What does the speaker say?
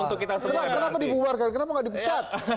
kenapa dibubarkan kenapa nggak dipecat